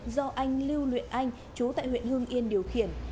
do anh lưu luyện anh chú tại huyện hương yên điều khiển